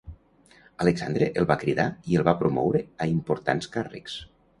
Alexandre el va cridar i el va promoure a importants càrrecs.